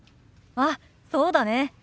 あっそうだね。